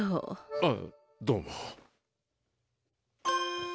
あっどうも。